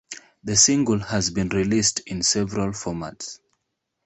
The single has been released in several formats.